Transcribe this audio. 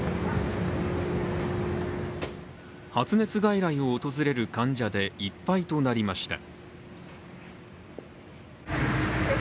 発熱外来を訪れる患者でいっぱいとなりました